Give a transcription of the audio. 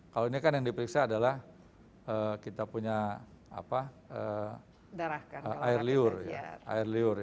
kalau ini kan yang diperiksa adalah kita punya air liur